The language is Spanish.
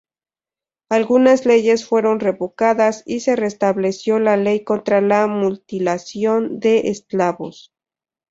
Algunas leyes fueron revocadas y se restableció la ley contra la mutilación de esclavos.